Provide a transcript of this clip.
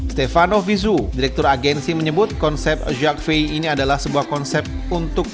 stefano visu direktur agensi menyebut konsep ini adalah sebuah konsep untuk